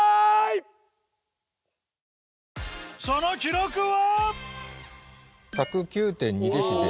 その記録は？